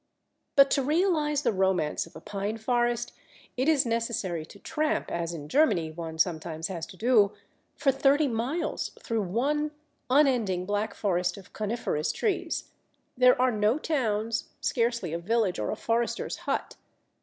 ] But to realize the romance of a Pine forest, it is necessary to tramp, as in Germany one sometimes has to do, for thirty miles through one unending black forest of Coniferous trees; there are no towns, scarcely a village or a forester's hut.